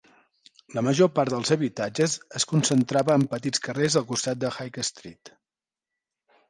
La major part dels habitatges es concentrava en petits carrers al costat de High Street.